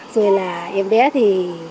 rồi là em bé thì